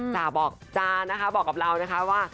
จ๋าบอกจ้านะคะบอกกับเรานะคะว่า